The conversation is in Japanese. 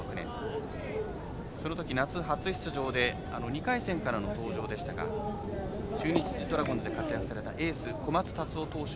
そのとき、夏初出場で２回戦からの登場でしたが中日ドラゴンズで活躍されるエース小松辰雄投手。